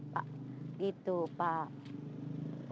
pak gitu pak